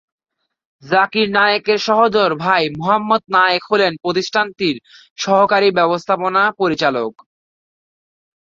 জাকির নায়েকের সহোদর ভাই মুহাম্মদ নায়েক হলেন প্রতিষ্ঠানটির সহকারী ব্যবস্থাপনা পরিচালক।